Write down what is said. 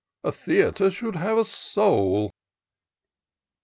A theatre should have a soul."